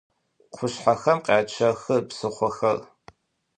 Къушъхьэхэм къячъэхы псыхъохэр.